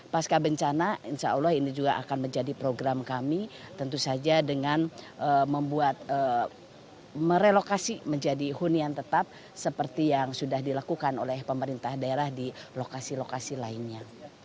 pasca bencana insya allah ini juga akan menjadi program kami tentu saja dengan membuat merelokasi menjadi hunian tetap seperti yang sudah dilakukan oleh pemerintah daerah di lokasi lokasi lainnya